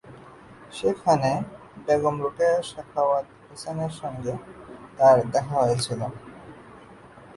সেখানে বেগম রোকেয়া সাখাওয়াত হোসেনের সঙ্গে তার দেখা হয়েছিলো।